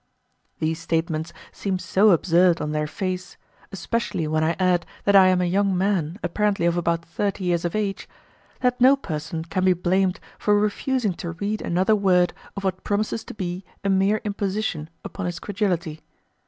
These statements seem so absurd on their face, especially when I add that I am a young man apparently of about thirty years of age, that no person can be blamed for refusing to read another word of what promises to be a mere imposition upon his credulity.